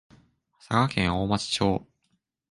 佐賀県大町町